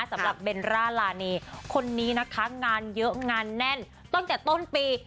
สำหรับเบลล่ารานีคนนี้นะคะงานเยอะงานแน่นตั้งแต่ต้นปี